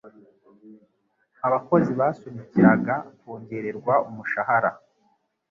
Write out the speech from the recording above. Abakozi basunikiraga kongererwa umushahara.